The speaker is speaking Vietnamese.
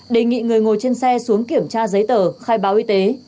đề nghị người ngồi trên xe xuống kiểm tra giấy tờ khai báo y tế